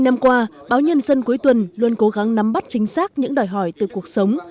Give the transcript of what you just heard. hai mươi năm qua báo nhân dân cuối tuần luôn cố gắng nắm bắt chính xác những đòi hỏi từ cuộc sống